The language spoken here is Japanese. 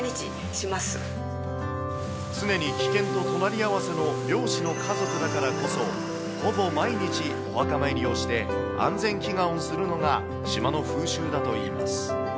常に危険と隣り合わせの漁師の家族だからこそ、ほぼ毎日、お墓参りをして、安全祈願をするのが島の風習だといいます。